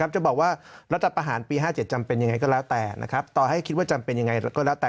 จะบอกว่ารัฐประหารปี๕๗จำเป็นยังไงก็แล้วแต่